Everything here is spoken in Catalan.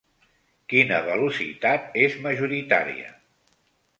Quina velocitat és majoritària?